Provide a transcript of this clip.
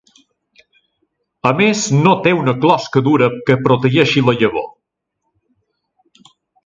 A més no té una closca dura que protegeixi la llavor.